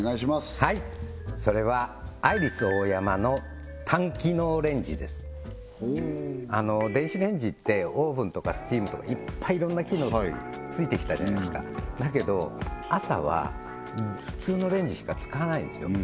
はいそれは電子レンジってオーブンとかスチームとかいっぱいいろんな機能ついてきたじゃないですかだけど朝は普通のレンジしか使わないんですよ